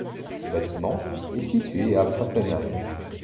Ce bâtiment est situé à Pfaffenheim.